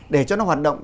để cho nó hoạt động